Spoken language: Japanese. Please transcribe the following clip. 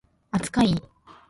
扱い